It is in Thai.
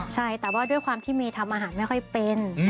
ใช่แต่ว่าด้วยความที่เมย์ทำอาหารไม่ค่อยเป็น